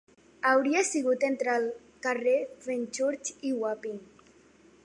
Hauria sigut entre el carrer Fenchurch i Wapping.